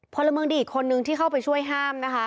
พลเมืองดีอีกคนนึงที่เข้าไปช่วยห้ามนะคะ